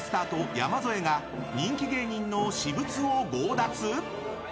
山添が人気芸人の私物を強奪！？